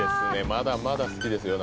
まだまだ好きですよ